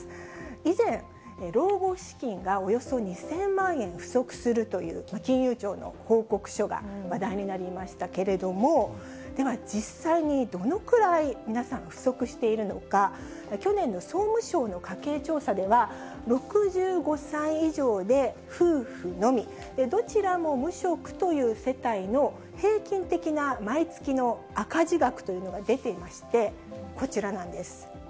以前、老後資金がおよそ２０００万円不足するという、金融庁の報告書が話題になりましたけれども、では実際にどのくらい皆さん、不足しているのか、去年の総務省の家計調査では、６５歳以上で夫婦のみ、どちらも無職という世帯の平均的な毎月の赤字額というのが出ていまして、こちらなんです。